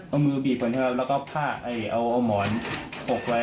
เอามือบีบก่อนนะครับแล้วก็ผ้าเอาหมอนหกไว้